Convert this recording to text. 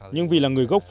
nhưng vì là người gốc phố